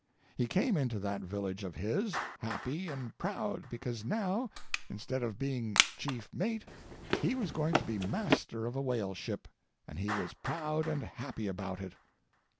He came into that village of his, happy and proud because now, instead of being chief mate, he was going to be master of a whaleship, and he was proud and happy about it.